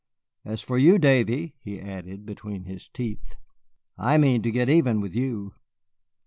As for you, Davy," he added, between his teeth, "I mean to get even with you."